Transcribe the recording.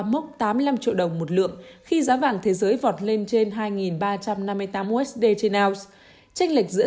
mốc tám mươi năm triệu đồng một lượng khi giá vàng thế giới vọt lên trên hai ba trăm năm mươi tám usd trên ounce tranh lệch giữa